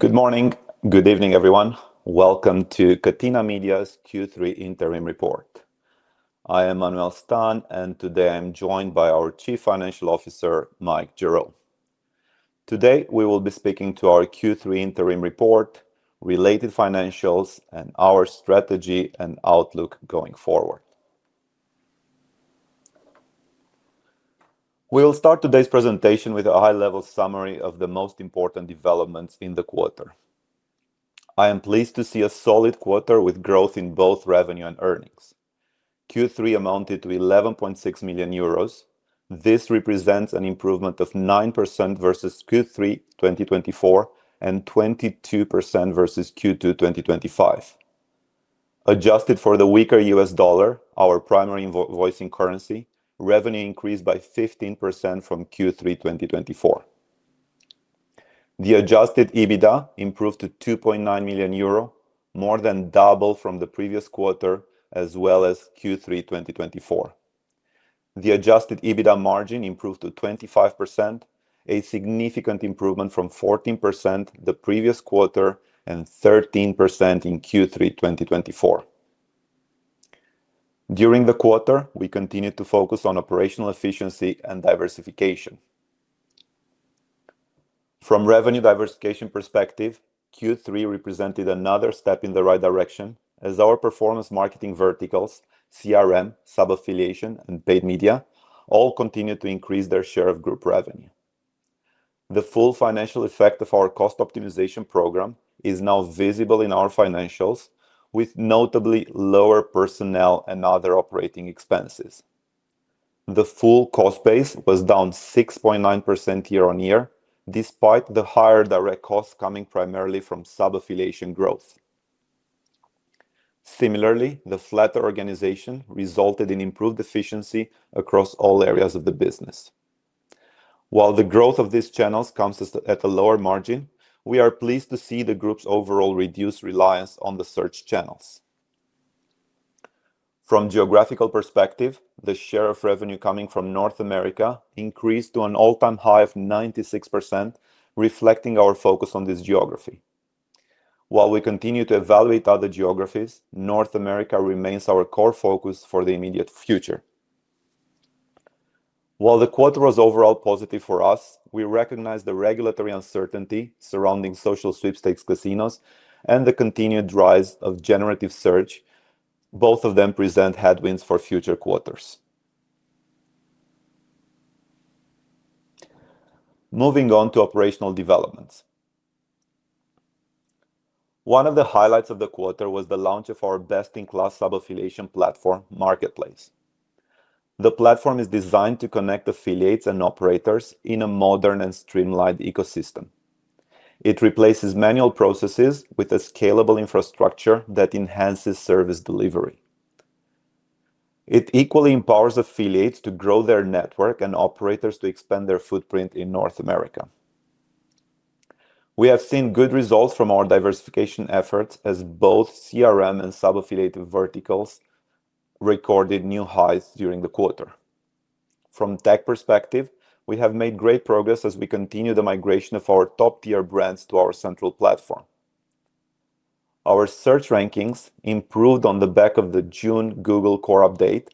Good morning, good evening, everyone. Welcome to Catena Media's Q3 Interim Report. I am Manuel Stan, and today I'm joined by our Chief Financial Officer, Mike Gerrow. Today we will be speaking to our Q3 Interim Report, related financials, and our strategy and outlook going forward. We will start today's presentation with a high-level summary of the most important developments in the quarter. I am pleased to see a solid quarter with growth in both revenue and earnings. Q3 amounted to 11.6 million euros. This represents an improvement of 9% versus Q3 2024 and 22% versus Q2 2025. Adjusted for the weaker U.S. dollar, our primary invoicing currency, revenue increased by 15% from Q3 2024. The adjusted EBITDA improved to 2.9 million euro, more than double from the previous quarter as well as Q3 2024. The adjusted EBITDA margin improved to 25%. A significant improvement from 14% the previous quarter and 13% in Q3 2024. During the quarter, we continued to focus on operational efficiency and diversification. From a revenue diversification perspective, Q3 represented another step in the right direction, as our performance marketing verticals, CRM, sub-affiliation, and paid media, all continued to increase their share of group revenue. The full financial effect of our cost optimization program is now visible in our financials, with notably lower personnel and other operating expenses. The full cost base was down 6.9% year-on-year, despite the higher direct costs coming primarily from sub-affiliation growth. Similarly, the flatter organization resulted in improved efficiency across all areas of the business. While the growth of these channels comes at a lower margin, we are pleased to see the group's overall reduced reliance on the search channels. From a geographical perspective, the share of revenue coming from North America increased to an all-time high of 96%, reflecting our focus on this geography. While we continue to evaluate other geographies, North America remains our core focus for the immediate future. While the quarter was overall positive for us, we recognize the regulatory uncertainty surrounding social sweepstakes casinos and the continued rise of generative search. Both of them present headwinds for future quarters. Moving on to operational developments. One of the highlights of the quarter was the launch of our best-in-class sub-affiliation platform, MRKTPLAYS. The platform is designed to connect affiliates and operators in a modern and streamlined ecosystem. It replaces manual processes with a scalable infrastructure that enhances service delivery. It equally empowers affiliates to grow their network and operators to expand their footprint in North America. We have seen good results from our diversification efforts, as both CRM and sub-affiliation verticals, recorded new highs during the quarter. From a tech perspective, we have made great progress as we continue the migration of our top-tier brands to our central platform. Our search rankings improved on the back of the June Google Core update,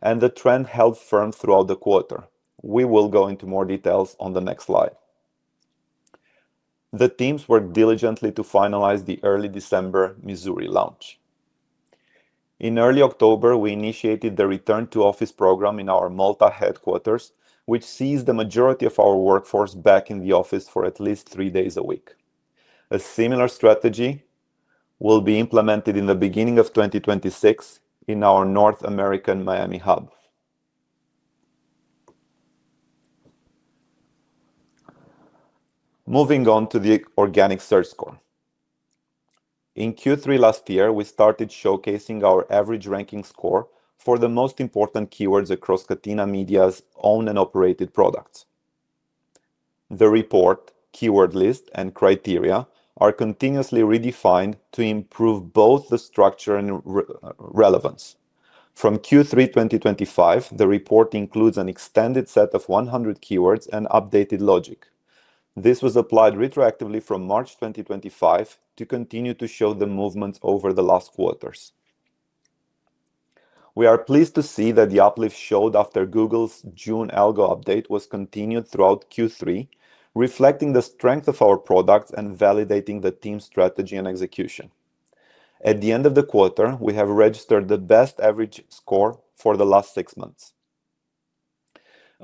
and the trend held firm throughout the quarter. We will go into more details on the next slide. The teams worked diligently to finalize the early December Missouri launch. In early October, we initiated the return-to-office program in our Malta headquarters, which sees the majority of our workforce back in the office for at least three days a week. A similar strategy will be implemented in the beginning of 2026 in our North American Miami hub. Moving on to the organic search score. In Q3 last year, we started showcasing our average ranking score for the most important keywords across Catena Media's own and operated products. The report, keyword list, and criteria are continuously redefined to improve both the structure and relevance. From Q3 2025, the report includes an extended set of 100 keywords and updated logic. This was applied retroactively from March 2025 to continue to show the movements over the last quarters. We are pleased to see that the uplift showed after Google's June Core update was continued throughout Q3, reflecting the strength of our products and validating the team's strategy and execution. At the end of the quarter, we have registered the best average score for the last six months.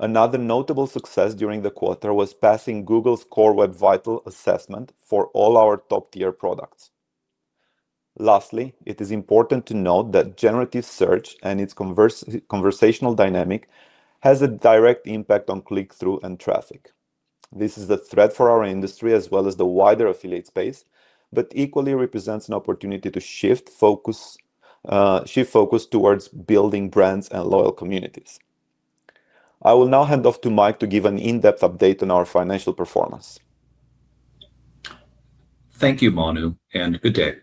Another notable success during the quarter was passing Google's Core Web Vitals assessment for all our top-tier products. Lastly, it is important to note that generative search and its conversational dynamic has a direct impact on click-through and traffic. This is a threat for our industry as well as the wider affiliate space, but equally represents an opportunity to shift focus. Towards building brands and loyal communities. I will now hand off to Mike to give an in-depth update on our financial performance. Thank you, Manu, and good day.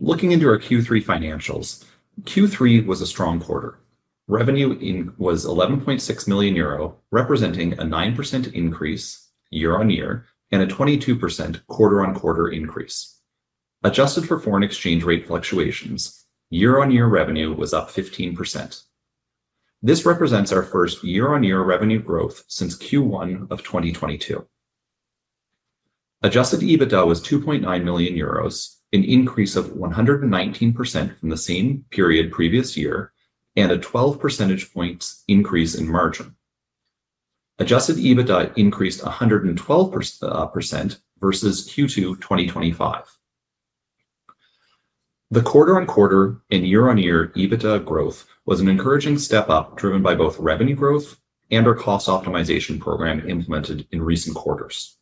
Looking into our Q3 financials, Q3 was a strong quarter. Revenue was 11.6 million euro, representing a 9% increase year-on-year and a 22% quarter-on-quarter increase. Adjusted for foreign exchange rate fluctuations, year-on-year revenue was up 15%. This represents our first year-on-year revenue growth since Q1 of 2022. Adjusted EBITDA was 2.9 million euros, an increase of 119% from the same period previous year, and a 12 percentage points increase in margin. Adjusted EBITDA increased 112% versus Q2 2025. The quarter-on-quarter and year-on-year EBITDA growth was an encouraging step up driven by both revenue growth and our cost optimization program implemented in recent quarters.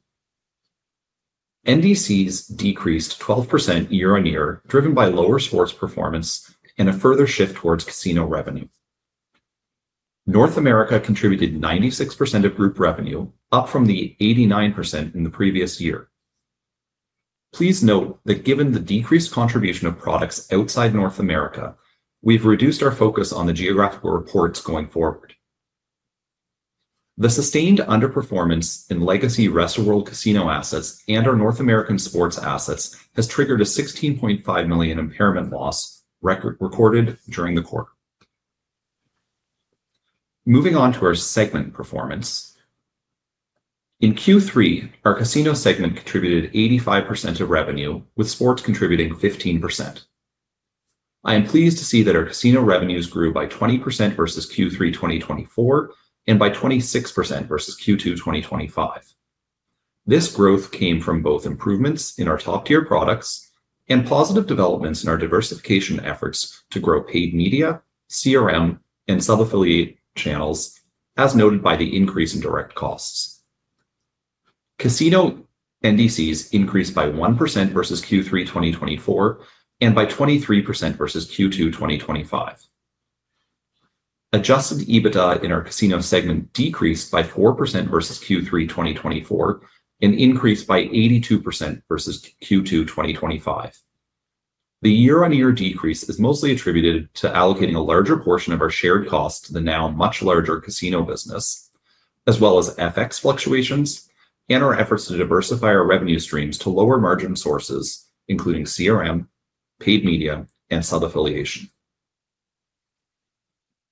NDCs decreased 12% year-on-year, driven by lower sports performance and a further shift towards casino revenue. North America contributed 96% of group revenue, up from the 89% in the previous year. Please note that given the decreased contribution of products outside North America, we've reduced our focus on the geographical reports going forward. The sustained underperformance in legacy wrestle world casino assets and our North American sports assets has triggered a 16.5 million impairment loss recorded during the quarter. Moving on to our segment performance. In Q3, our casino segment contributed 85% of revenue, with sports contributing 15%. I am pleased to see that our casino revenues grew by 20% versus Q3 2024 and by 26% versus Q2 2025. This growth came from both improvements in our top-tier products and positive developments in our diversification efforts to grow paid media, CRM, and sub-affiliate channels, as noted by the increase in direct costs. Casino NDCs increased by 1% versus Q3 2024 and by 23% versus Q2 2025. Adjusted EBITDA in our casino segment decreased by 4% versus Q3 2024 and increased by 82% versus Q2 2025. The year-on-year decrease is mostly attributed to allocating a larger portion of our shared costs to the now much larger casino business. As well as FX fluctuations and our efforts to diversify our revenue streams to lower margin sources, including CRM, paid media, and sub-affiliation.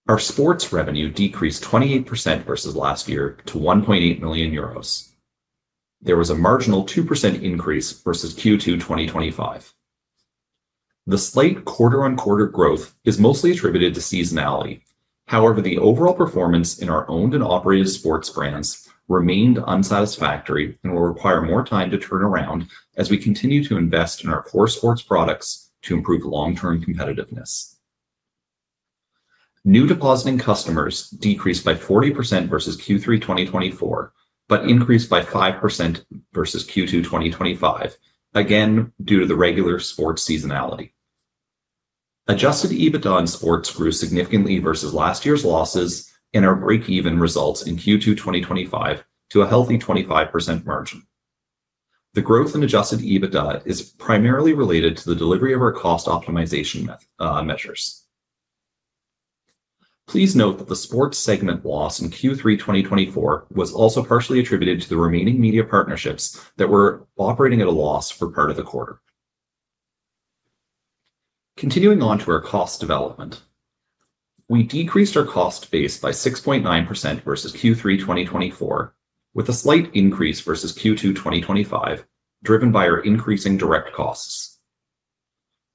Our sports revenue decreased 28% versus last year to €1.8 million. There was a marginal 2% increase versus Q2 2025. The slight quarter-on-quarter growth is mostly attributed to seasonality. However, the overall performance in our owned and operated sports brands remained unsatisfactory and will require more time to turn around as we continue to invest in our core sports products to improve long-term competitiveness. New depositing customers decreased by 40% versus Q3 2024, but increased by 5% versus Q2 2025, again due to the regular sports seasonality. Adjusted EBITDA in sports grew significantly versus last year's losses and our break-even results in Q2 2025 to a healthy 25% margin. The growth in adjusted EBITDA is primarily related to the delivery of our cost optimization measures. Please note that the sports segment loss in Q3 2024 was also partially attributed to the remaining media partnerships that were operating at a loss for part of the quarter. Continuing on to our cost development. We decreased our cost base by 6.9% versus Q3 2024, with a slight increase versus Q2 2025, driven by our increasing direct costs.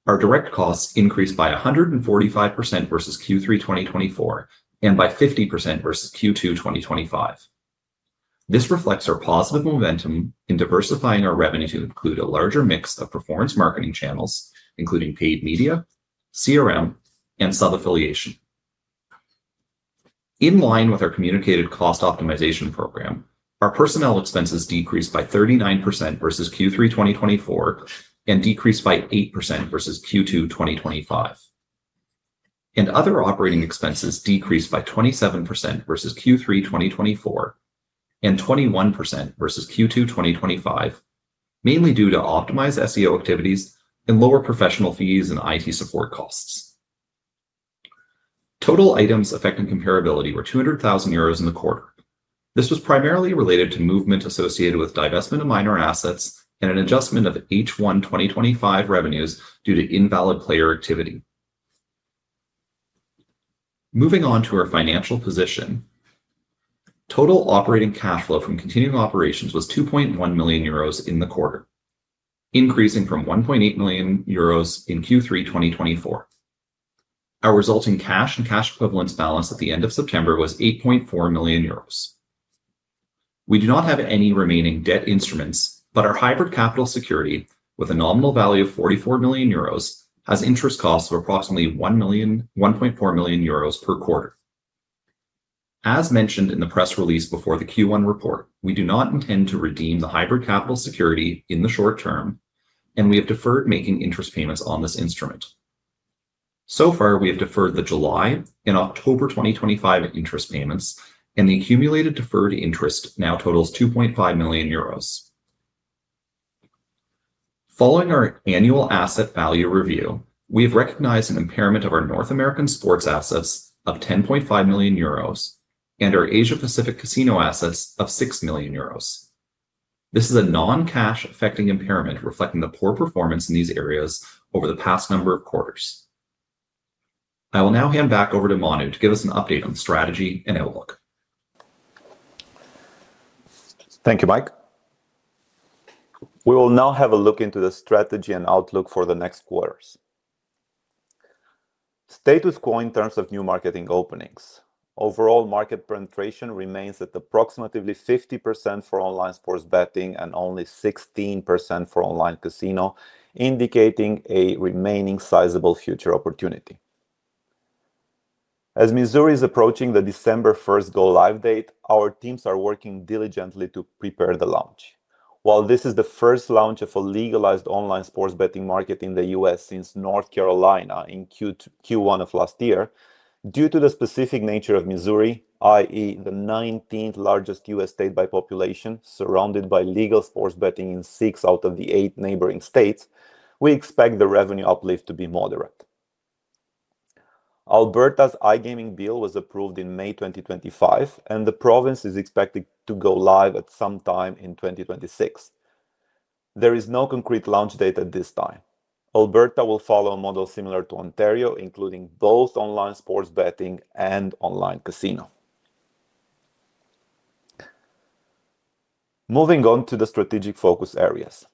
Our direct costs increased by 145% versus Q3 2024 and by 50% versus Q2 2025. This reflects our positive momentum in diversifying our revenue to include a larger mix of performance marketing channels, including paid media, CRM, and sub-affiliation. In line with our communicated cost optimization program, our personnel expenses decreased by 39% versus Q3 2024 and decreased by 8% versus Q2 2025. And other operating expenses decreased by 27% versus Q3 2024. And 21% versus Q2 2025, mainly due to optimized SEO activities and lower professional fees and IT support costs. Total items affecting comparability were 200,000 euros in the quarter. This was primarily related to movement associated with divestment of minor assets and an adjustment of H1 2025 revenues due to invalid player activity. Moving on to our financial position. Total operating cash flow from continuing operations was 2.1 million euros in the quarter, increasing from 1.8 million euros in Q3 2024. Our resulting cash and cash equivalents balance at the end of September was 8.4 million euros. We do not have any remaining debt instruments, but our hybrid capital security, with a nominal value of 44 million euros, has interest costs of approximately 1.4 million euros per quarter. As mentioned in the press release before the Q1 report, we do not intend to redeem the hybrid capital security in the short term, and we have deferred making interest payments on this instrument. So far, we have deferred the July and October 2025 interest payments, and the accumulated deferred interest now totals 2.5 million euros. Following our annual asset value review, we have recognized an impairment of our North American sports assets of 10.5 million euros and our Asia-Pacific casino assets of 6 million euros. This is a non-cash affecting impairment reflecting the poor performance in these areas over the past number of quarters. I will now hand back over to Manu to give us an update on the strategy and outlook. Thank you, Mike. We will now have a look into the strategy and outlook for the next quarters. Status quo in terms of new marketing openings. Overall market penetration remains at approximately 50% for online sports betting and only 16% for online casino, indicating a remaining sizable future opportunity. As Missouri is approaching the December 1st go-live date, our teams are working diligently to prepare the launch. While this is the first launch of a legalized online sports betting market in the U.S. since North Carolina in Q1 of last year, due to the specific nature of Missouri, i.e., the 19th largest U.S. state by population, surrounded by legal sports betting in six out of the eight neighboring states, we expect the revenue uplift to be moderate. Alberta's iGaming Bill was approved in May 2025, and the province is expected to go live at some time in 2026. There is no concrete launch date at this time. Alberta will follow a model similar to Ontario, including both online sports betting and online casino. Moving on to the strategic focus areas.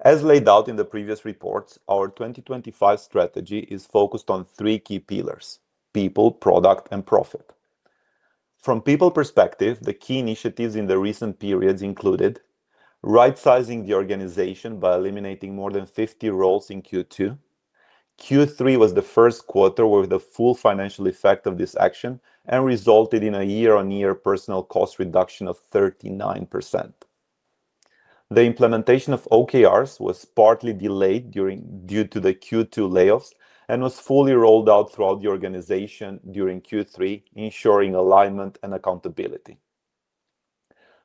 As laid out in the previous reports, our 2025 strategy is focused on three key pillars: People, Product, and Profit. From people perspective, the key initiatives in the recent periods included. Right-sizing the organization by eliminating more than 50 roles in Q2. Q3 was the first quarter with the full financial effect of this action and resulted in a year-on-year personnel cost reduction of 39%. The implementation of OKRs was partly delayed due to the Q2 layoffs and was fully rolled out throughout the organization during Q3, ensuring alignment and accountability.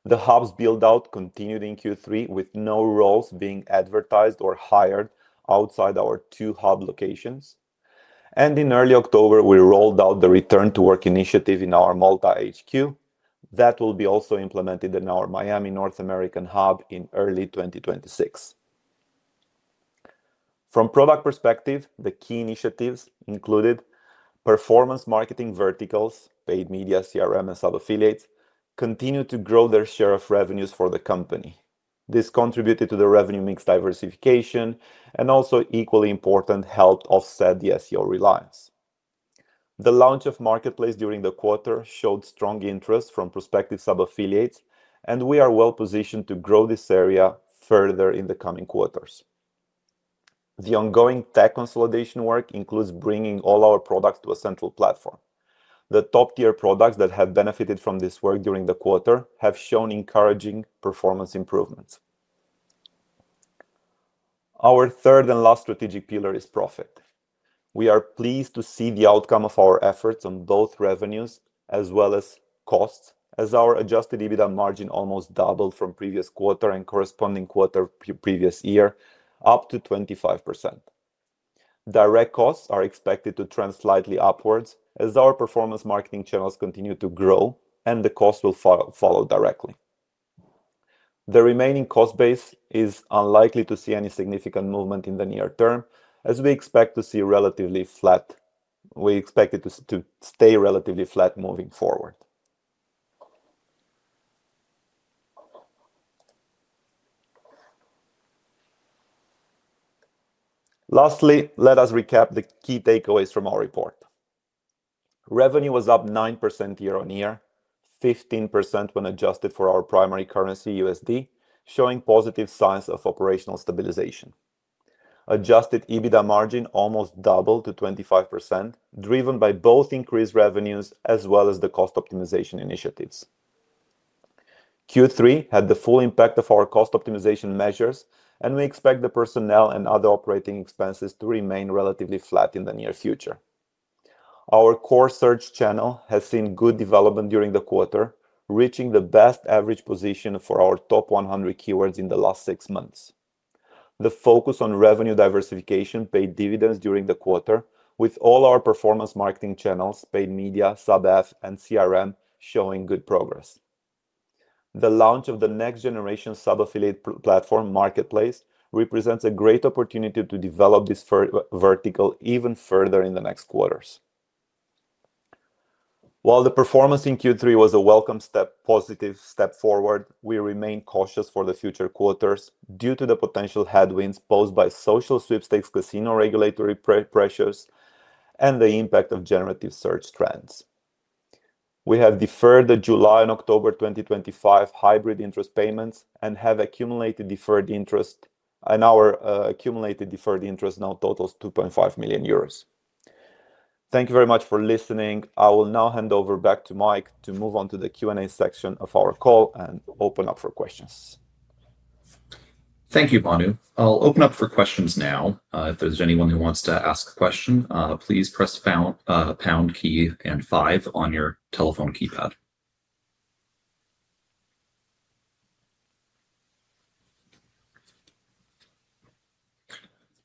The hub's build-out continued in Q3, with no roles being advertised or hired outside our two hub locations. And in early October, we rolled out the return-to-office initiative in our Malta HQ. That will be also implemented in our Miami North American hub in early 2026. From product perspective, the key initiatives included. Performance marketing verticals, paid media, CRM, and sub-affiliates continue to grow their share of revenues for the company. This contributed to the revenue mix diversification and also, equally important, helped offset the SEO reliance. The launch of MRKTPLAYS during the quarter showed strong interest from prospective sub-affiliates, and we are well positioned to grow this area further in the coming quarters. The ongoing tech consolidation work includes bringing all our products to a central platform. The top-tier products that have benefited from this work during the quarter have shown encouraging performance improvements. Our third and last strategic pillar is profit. We are pleased to see the outcome of our efforts on both revenues as well as costs, as our adjusted EBITDA margin almost doubled from previous quarter and corresponding quarter of previous year, up to 25%. Direct costs are expected to trend slightly upwards as our performance marketing channels continue to grow, and the costs will follow directly. The remaining cost base is unlikely to see any significant movement in the near term, as we expect to see relatively flat. We expect it to stay relatively flat moving forward. Lastly, let us recap the key takeaways from our report. Revenue was up 9% year-on-year, 15% when adjusted for our primary currency, USD, showing positive signs of operational stabilization. Adjusted EBITDA margin almost doubled to 25%, driven by both increased revenues as well as the cost optimization initiatives. Q3 had the full impact of our cost optimization measures, and we expect the personnel and other operating expenses to remain relatively flat in the near future. Our core search channel has seen good development during the quarter, reaching the best average position for our top 100 keywords in the last six months. The focus on revenue diversification paid dividends during the quarter, with all our performance marketing channels, paid media, sub-af, and CRM showing good progress. The launch of the next-generation sub-affiliate platform, MRKTPLAYS, represents a great opportunity to develop this vertical even further in the next quarters. While the performance in Q3 was a welcome step, positive step forward, we remain cautious for the future quarters due to the potential headwinds posed by social sweepstakes, casino regulatory pressures, and the impact of generative search trends. We have deferred the July and October 2025 hybrid interest payments and have accumulated deferred interest, and our accumulated deferred interest now totals 2.5 million euros. Thank you very much for listening. I will now hand over back to Mike to move on to the Q&A section of our call and open up for questions. Thank you, Manu. I'll open up for questions now. If there's anyone who wants to ask a question, please press the pound key and five on your telephone keypad.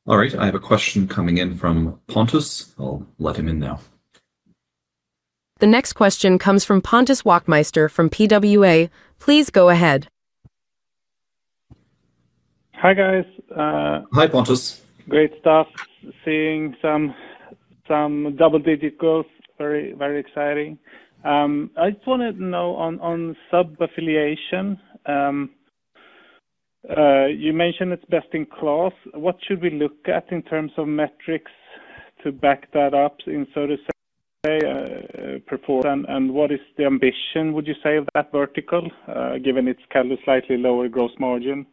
All right, I have a question coming in from Pontus. I'll let him in now. The next question comes from Pontus Wachtmeister from PWA. Please go ahead. Hi guys. Hi Pontus. Great stuff. Seeing some double-digit growth. Very, very exciting. I just wanted to know on sub-affiliation. You mentioned it's best in class. What should we look at in terms of metrics to back that up in sort of, say, performance and what is the ambition, would you say, of that vertical, given its slightly lower gross margin?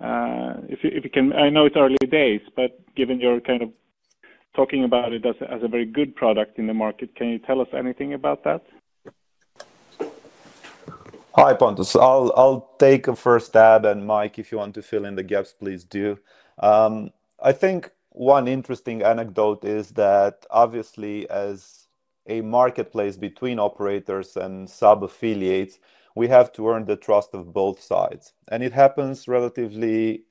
If you can, I know it's early days, but given you're kind of talking about it as a very good product in the market, can you tell us anything about that? Hi Pontus. I'll take the first stab, and Mike, if you want to fill in the gaps, please do. I think one interesting anecdote is that obviously, as a marketplace between operators and sub-affiliates, we have to earn the trust of both sides. And it happens relatively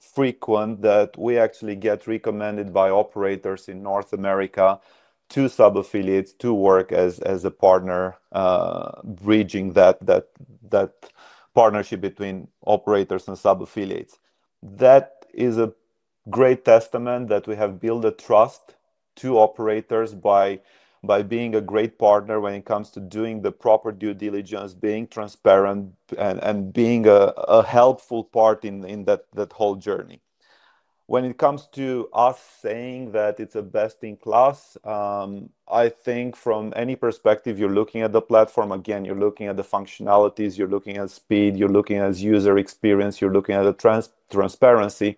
frequent that we actually get recommended by operators in North America to sub-affiliates to work as a partner, bridging that partnership between operators and sub-affiliates. That is a great testament that we have built a trust to operators by being a great partner when it comes to doing the proper due diligence, being transparent, and being a helpful part in that whole journey. When it comes to us saying that it's a best in class. I think from any perspective, you're looking at the platform, again, you're looking at the functionalities, you're looking at speed, you're looking at user experience, you're looking at the transparency.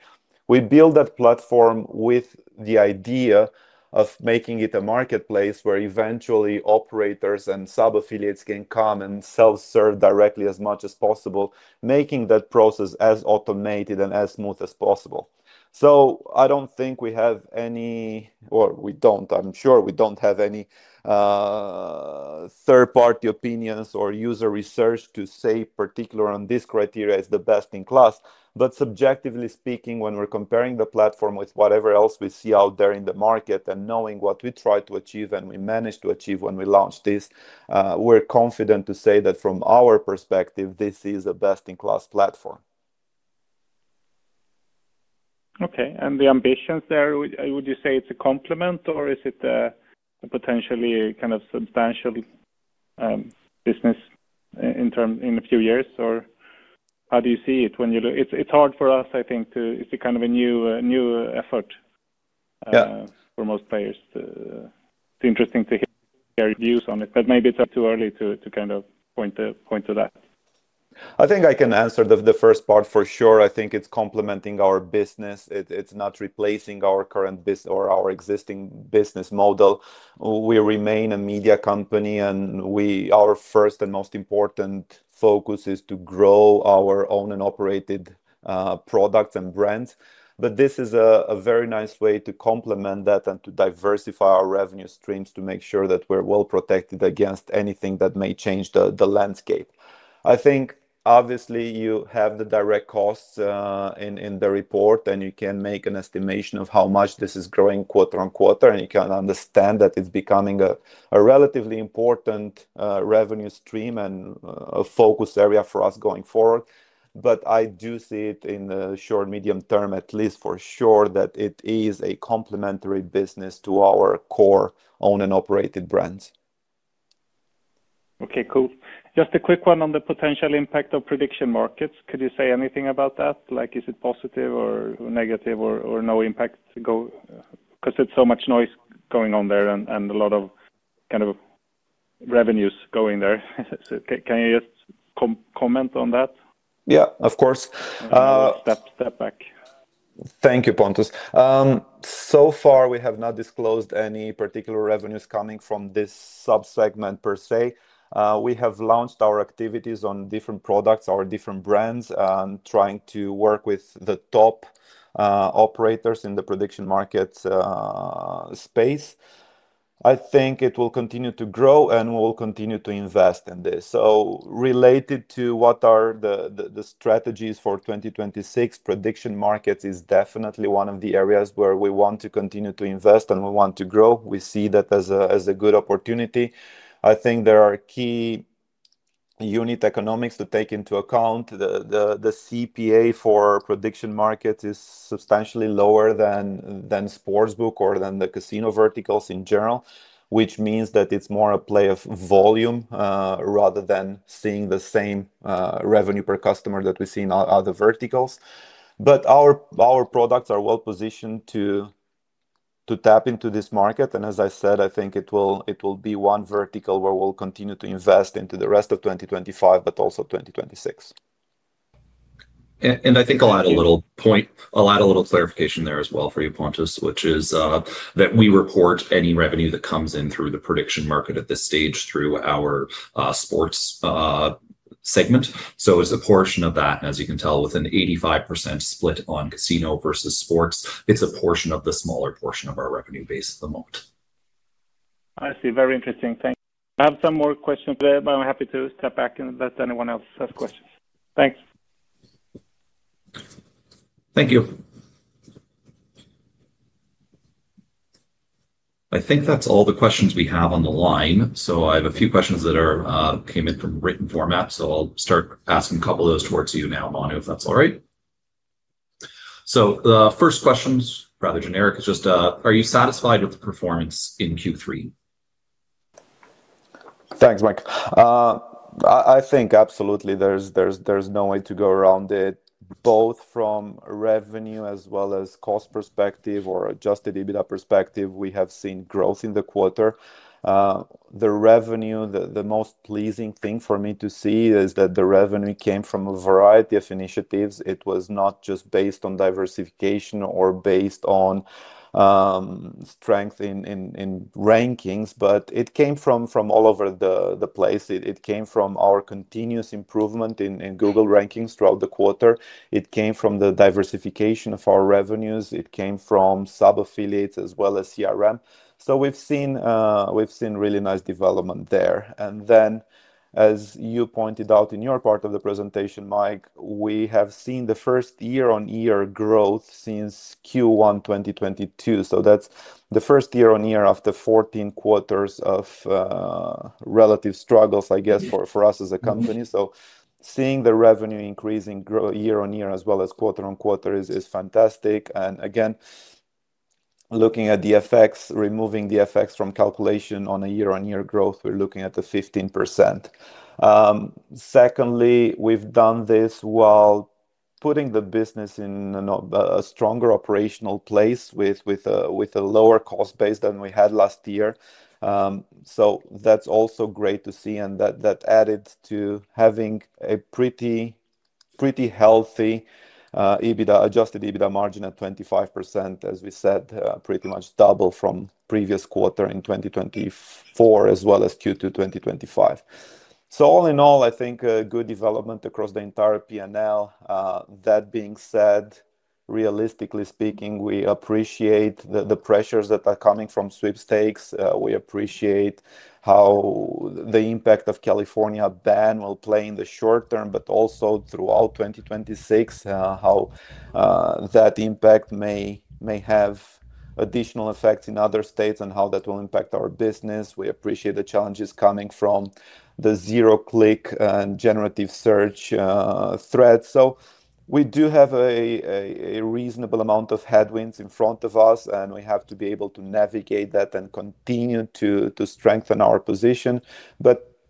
We built that platform with the idea of making it a marketplace where eventually operators and sub-affiliates can come and self-serve directly as much as possible, making that process as automated and as smooth as possible. So I don't think we have any, or we don't, I'm sure we don't have any third-party opinions or user research to say particularly on this criteria is the best in class. But subjectively speaking, when we're comparing the platform with whatever else we see out there in the market and knowing what we tried to achieve and we managed to achieve when we launched this, we're confident to say that from our perspective, this is a best in class platform. Okay. And the ambitions there, would you say it's a complement or is it a potentially kind of substantial business in a few years? Or how do you see it when you look? It's hard for us, I think, to see kind of a new effort for most players. It's interesting to hear your views on it, but maybe it's a bit too early to kind of point to that. I think I can answer the first part for sure. I think it's complementing our business. It's not replacing our current business or our existing business model. We remain a media company, and our first and most important focus is to grow our owned and operated products and brands. But this is a very nice way to complement that and to diversify our revenue streams to make sure that we're well protected against anything that may change the landscape. I think obviously you have the direct costs in the report, and you can make an estimation of how much this is growing quarter-on-quarter, and you can understand that it's becoming a relatively important revenue stream and a focus area for us going forward. But I do see it in the short, medium term, at least for sure, that it is a complementary business to our core owned and operated brands. Okay, cool. Just a quick one on the potential impact of prediction markets. Could you say anything about that? Like, is it positive or negative or no impact? Because it's so much noise going on there and a lot of kind of revenues going there. Can you just comment on that? Yeah, of course. I'll step back. Thank you, Pontus. So far, we have not disclosed any particular revenues coming from this subsegment per se. We have launched our activities on different products, our different brands, and trying to work with the top operators in the prediction market space. I think it will continue to grow and we'll continue to invest in this. So related to what are the strategies for 2026, prediction markets is definitely one of the areas where we want to continue to invest and we want to grow. We see that as a good opportunity. I think there are key unit economics to take into account. The CPA for prediction markets is substantially lower than sportsbook or than the casino verticals in general, which means that it's more a play of volume rather than seeing the same revenue per customer that we see in other verticals. But our products are well positioned to tap into this market, and as I said, I think it will be one vertical where we'll continue to invest into the rest of 2025, but also 2026. And I think I'll add a little point. I'll add a little clarification there as well for you, Pontus, which is that we report any revenue that comes in through the prediction market at this stage through our sports segment. So it's a portion of that, and as you can tell, with an 85% split on casino versus sports, it's a portion of the smaller portion of our revenue base at the moment. I see. Very interesting. Thanks. I have some more questions today, but I'm happy to step back and let anyone else ask questions. Thanks. Thank you. I think that's all the questions we have on the line. So I have a few questions that came in from written format, so I'll start asking a couple of those towards you now, Manu, if that's all right. So the first question is rather generic. It's just, are you satisfied with the performance in Q3? Thanks, Mike. I think absolutely there's no way to go around it. Both from revenue as well as cost perspective or adjusted EBITDA perspective, we have seen growth in the quarter. The revenue, the most pleasing thing for me to see is that the revenue came from a variety of initiatives. It was not just based on diversification or based on strength in rankings, but it came from all over the place. It came from our continuous improvement in Google rankings throughout the quarter. It came from the diversification of our revenues. It came from sub-affiliates as well as CRM. So we've seen really nice development there. And then, as you pointed out in your part of the presentation, Mike, we have seen the first year-on-year growth since Q1 2022. So that's the first year-on-year after 14 quarters of relative struggles, I guess, for us as a company. Seeing the revenue increase year-on-year as well as quarter on quarter is fantastic. And again, looking at the effects, removing the effects from calculation on a year-on-year growth, we're looking at the 15%. Secondly, we've done this while putting the business in a stronger operational place with a lower cost base than we had last year. So that's also great to see. And that added to having a pretty healthy adjusted EBITDA margin at 25%, as we said, pretty much double from previous quarter in 2024 as well as Q2 2025. So all in all, I think a good development across the entire P&L. That being said, realistically speaking, we appreciate the pressures that are coming from sweepstakes. We appreciate how the impact of California ban will play in the short term, but also throughout 2026, how that impact may have additional effects in other states and how that will impact our business. We appreciate the challenges coming from the zero-click and generative search threat. So we do have a reasonable amount of headwinds in front of us, and we have to be able to navigate that and continue to strengthen our position.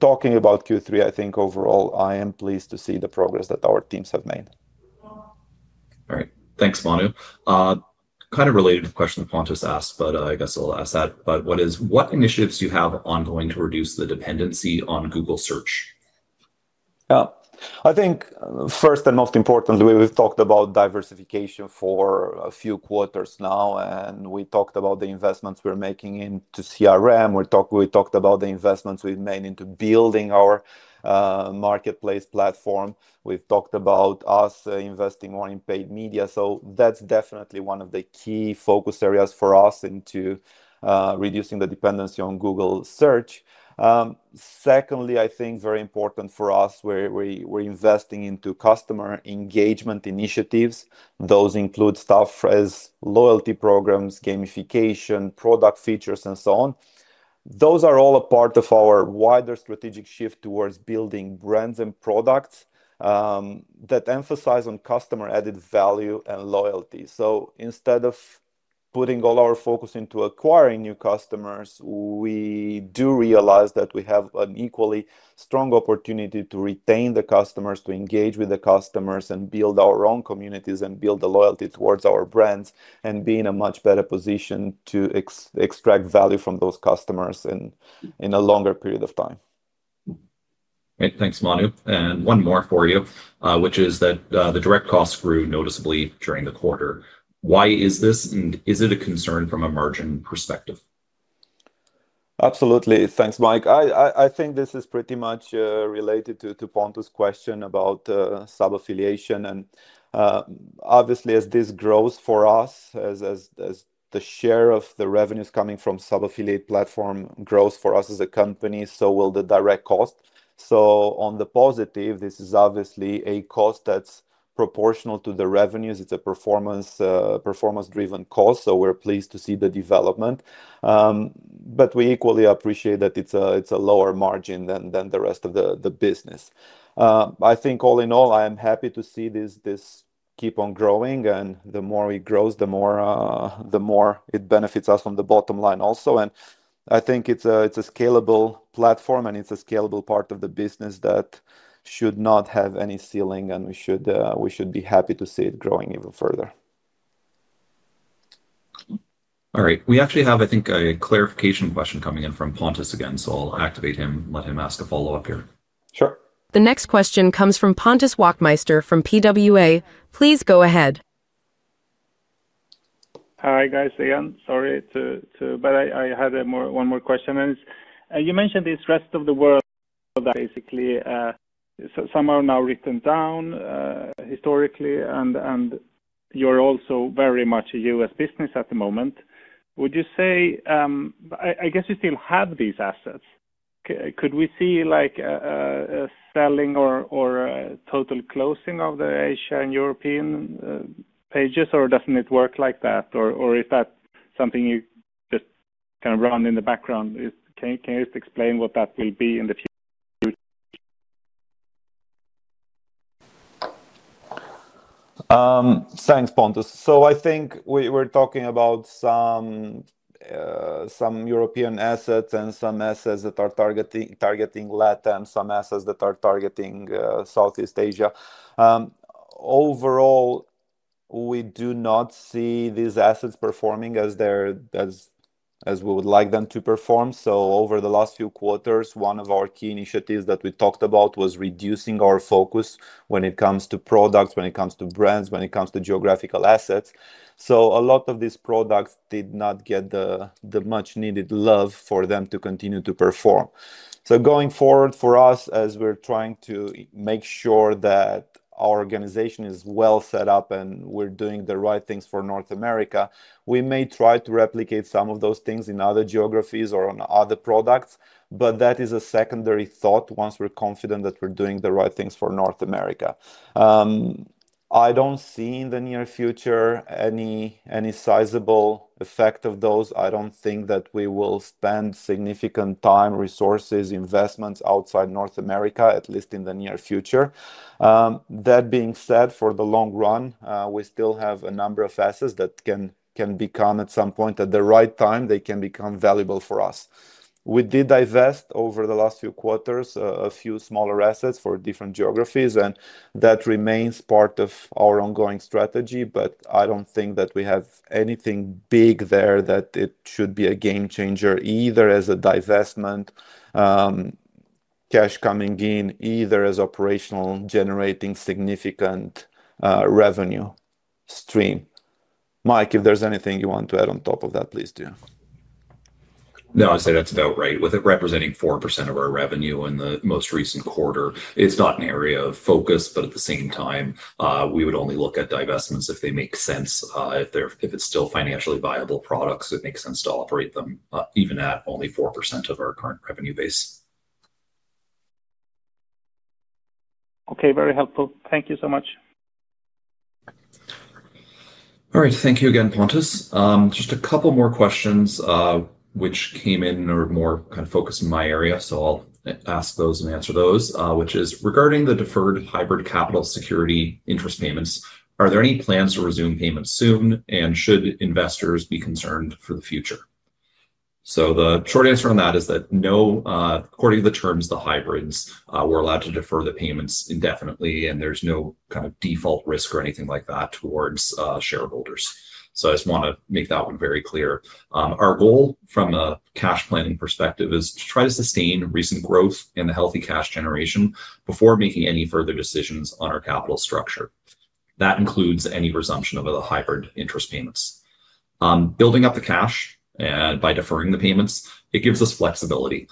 Talking about Q3, I think overall, I am pleased to see the progress that our teams have made. All right. Thanks, Manu. Kind of related to the question Pontus asked, but I guess I'll ask that. But what initiatives do you have ongoing to reduce the dependency on Google Search? Yeah. I think first and most importantly, we've talked about diversification for a few quarters now, and we talked about the investments we're making into CRM. We talked about the investments we've made into building our MRKTPLAYS platform. We've talked about us investing more in paid media. So that's definitely one of the key focus areas for us into reducing the dependency on Google Search. Secondly, I think very important for us, we're investing into customer engagement initiatives. Those include such as loyalty programs, gamification, product features, and so on. Those are all a part of our wider strategic shift towards building brands and products that emphasize on customer added value and loyalty. So instead of putting all our focus into acquiring new customers, we do realize that we have an equally strong opportunity to retain the customers, to engage with the customers, and build our own communities and build the loyalty towards our brands and be in a much better position to extract value from those customers in a longer period of time. Great. Thanks, Manu. And one more for you, which is that the direct costs grew noticeably during the quarter. Why is this? And is it a concern from a margin perspective? Absolutely. Thanks, Mike. I think this is pretty much related to Pontus' question about sub-affiliation, and obviously, as this grows for us, as the share of the revenues coming from sub-affiliation platform grows for us as a company, so will the direct cost. So on the positive, this is obviously a cost that's proportional to the revenues. It's a performance-driven cost. So we're pleased to see the development. But we equally appreciate that it's a lower margin than the rest of the business. I think all in all, I am happy to see this keep on growing, and the more it grows, the more it benefits us on the bottom line also, and I think it's a scalable platform and it's a scalable part of the business that should not have any ceiling, and we should be happy to see it growing even further. All right. We actually have, I think, a clarification question coming in from Pontus again. So I'll activate him, let him ask a follow-up here. Sure. The next question comes from Pontus Wachtmeister from PWA. Please go ahead. Hi guys again. Sorry to, but I had one more question, and you mentioned this rest of the world. Basically, some are now written down. Historically, and you're also very much a U.S. business at the moment. Would you say, I guess you still have these assets? Could we see selling or total closing of the Asia and European pages? Or doesn't it work like that? Or is that something you just kind of run in the background? Can you just explain what that will be in the future? Thanks, Pontus. So I think we're talking about some European assets and some assets that are targeting Latin and some assets that are targeting Southeast Asia. Overall, we do not see these assets performing as we would like them to perform. So over the last few quarters, one of our key initiatives that we talked about was reducing our focus when it comes to products, when it comes to brands, when it comes to geographical assets. So a lot of these products did not get the much-needed love for them to continue to perform. So going forward for us, as we're trying to make sure that our organization is well set up and we're doing the right things for North America, we may try to replicate some of those things in other geographies or on other products, but that is a secondary thought once we're confident that we're doing the right things for North America. I don't see in the near future any sizable effect of those. I don't think that we will spend significant time, resources, investments outside North America, at least in the near future. That being said, for the long run, we still have a number of assets that can become at some point at the right time, they can become valuable for us. We did divest over the last few quarters a few smaller assets for different geographies, and that remains part of our ongoing strategy. But I don't think that we have anything big there that it should be a game changer, either as a divestment, cash coming in, either as operational generating significant revenue stream. Mike, if there's anything you want to add on top of that, please do. No, I'd say that's about right. With it representing 4% of our revenue in the most recent quarter, it's not an area of focus, but at the same time, we would only look at divestments if they make sense, if it's still financially viable products, it makes sense to operate them even at only 4% of our current revenue base. Okay, very helpful. Thank you so much. All right. Thank you again, Pontus. Just a couple more questions, which came in or more kind of focused in my area. So I'll ask those and answer those, which is regarding the deferred hybrid capital security interest payments. Are there any plans to resume payments soon? And should investors be concerned for the future? So the short answer on that is that no, according to the terms, the hybrids were allowed to defer the payments indefinitely, and there's no kind of default risk or anything like that towards shareholders. So I just want to make that one very clear. Our goal from a cash planning perspective is to try to sustain recent growth and the healthy cash generation before making any further decisions on our capital structure. That includes any resumption of the hybrid interest payments. Building up the cash by deferring the payments, it gives us flexibility.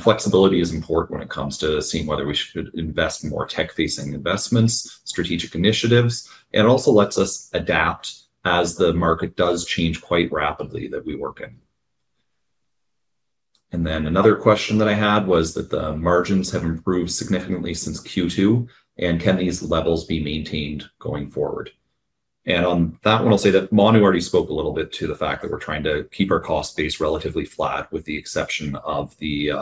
Flexibility is important when it comes to seeing whether we should invest more tech-facing investments, strategic initiatives, and it also lets us adapt as the market does change quite rapidly that we work in. Then another question that I had was that the margins have improved significantly since Q2, and can these levels be maintained going forward? And on that one, I'll say that Manu already spoke a little bit to the fact that we're trying to keep our cost base relatively flat with the exception of the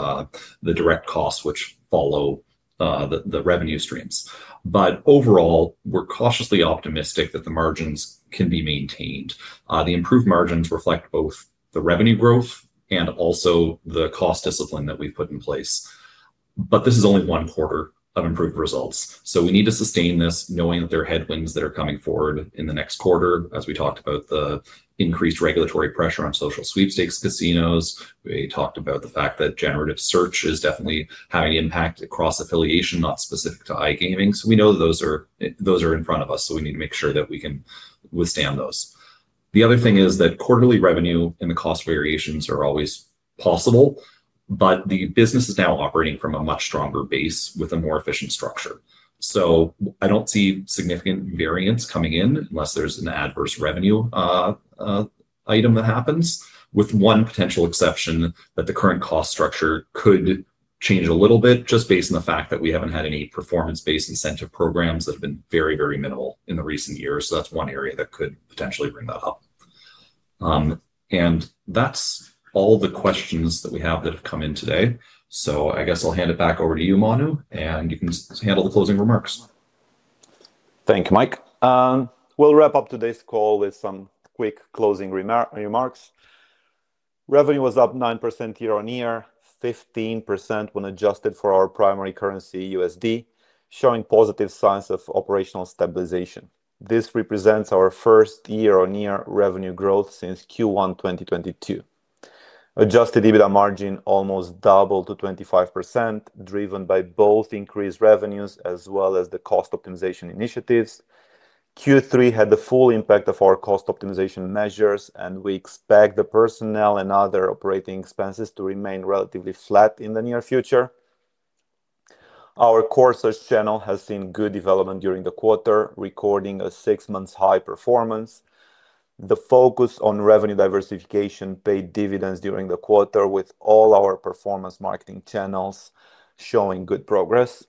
direct costs which follow the revenue streams. But overall, we're cautiously optimistic that the margins can be maintained. The improved margins reflect both the revenue growth and also the cost discipline that we've put in place. But this is only one quarter of improved results. So we need to sustain this knowing that there are headwinds that are coming forward in the next quarter, as we talked about the increased regulatory pressure on social sweepstakes casinos. We talked about the fact that generative search is definitely having an impact across affiliation, not specific to iGaming. So we know that those are in front of us, so we need to make sure that we can withstand those. The other thing is that quarterly revenue and the cost variations are always possible, but the business is now operating from a much stronger base with a more efficient structure. So I don't see significant variance coming in unless there's an adverse revenue item that happens, with one potential exception that the current cost structure could change a little bit just based on the fact that we haven't had any performance-based incentive programs that have been very, very minimal in the recent years. So that's one area that could potentially bring that up. And that's all the questions that we have that have come in today. So I guess I'll hand it back over to you, Manu, and you can handle the closing remarks. Thank you, Mike. We'll wrap up today's call with some quick closing remarks. Revenue was up 9% year-on-year, 15% when adjusted for our primary currency, USD, showing positive signs of operational stabilization. This represents our first year-on-year revenue growth since Q1 2022. Adjusted EBITDA margin almost doubled to 25%, driven by both increased revenues as well as the cost optimization initiatives. Q3 had the full impact of our cost optimization measures, and we expect the personnel and other operating expenses to remain relatively flat in the near future. Our core search channel has seen good development during the quarter, recording a six-month high performance. The focus on revenue diversification paid dividends during the quarter, with all our performance marketing channels showing good progress.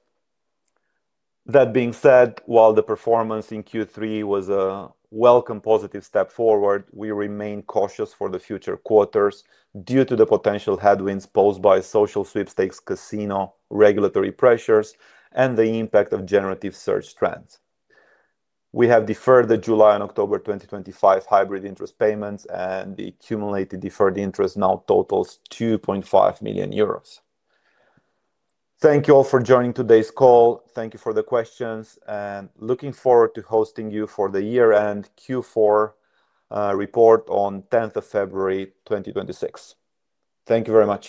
That being said, while the performance in Q3 was a welcome positive step forward, we remain cautious for the future quarters due to the potential headwinds posed by social sweepstakes casino regulatory pressures and the impact of generative search trends. We have deferred the July and October 2025 hybrid interest payments, and the accumulated deferred interest now totals 2.5 million euros. Thank you all for joining today's call. Thank you for the questions, and looking forward to hosting you for the year-end Q4 report on 10th of February, 2026. Thank you very much.